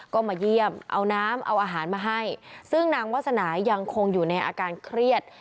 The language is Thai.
ก็มาเยี่ยมเอาน้ำเอาอาหารมาให้ซึ่งนางวาสนายังคงอยู่ในอาการเครียด